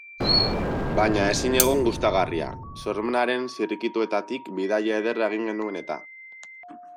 Baina ezinegon gustagarria, sormenaren zirrikituetatik bidaia ederra egin genuen eta.